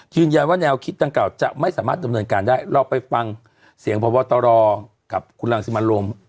ยืนยันว่าแนวคิดต่างกราบจะไม่สามารถเติมเถิดการได้เราไปฟังเสียงพ่อบ้อเตารอกับคุณรังสิมันโลม